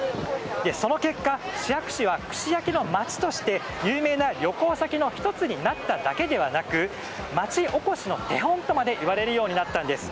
その結果、シハク市は串焼きの町として有名な旅行先の１つになっただけではなく町おこしの手本とまで言われるようになったんです。